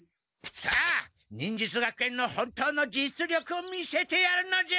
さあ忍術学園の本当の実力を見せてやるのじゃ！